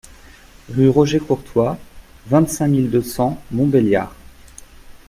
Rue Roger Courtois, vingt-cinq mille deux cents Montbéliard